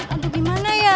aduh gimana ya